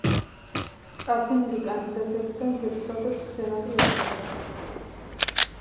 წარდგენილი კანდიდატებიდან დეპუტატებს სენატი ირჩევდა.